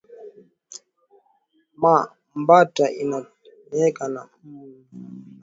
Ma mbata inatembeaka mu namba